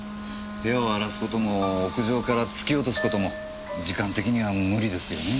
部屋を荒らす事も屋上から突き落とす事も時間的には無理ですよね？